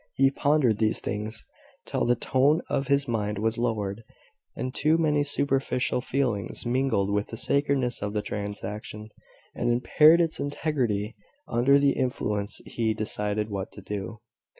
He pondered these things till the tone of his mind was lowered, and too many superficial feelings mingled with the sacredness of the transaction, and impaired its integrity. Under their influence he decided what to do.